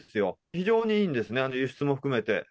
非常にいいんですね、輸出も含めて。